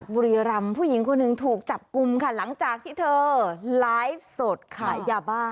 บุรีรำผู้หญิงคนหนึ่งถูกจับกลุ่มค่ะหลังจากที่เธอไลฟ์สดขายยาบ้า